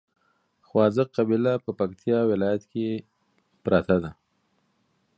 خواځک قبيله په پکتیا ولايت کې پراته دي